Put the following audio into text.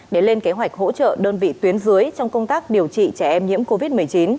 để lên kế hoạch hỗ trợ đơn vị tuyến dưới trong công tác điều trị trẻ em nhiễm covid một mươi chín